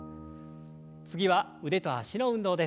次は腕と脚の運動です。